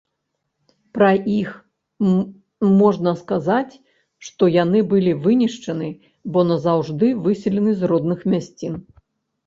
Пра іх можна сказаць, што яны былі вынішчаны, бо назаўжды выселены з родных мясцін.